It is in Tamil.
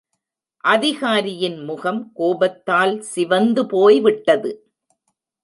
அதிகாரியின் முகம் கோபத்தால் சிவந்து போய்விட்டது.